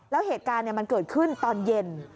แล้วเหตุการณ์มันเกิดขึ้นตอนเย็น